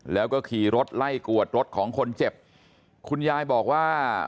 แล้วก็ขี่รถไล่กวดรถของคนเจ็บคุณยายบอกว่า